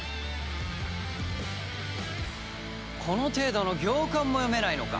この程度の行間も読めないのか？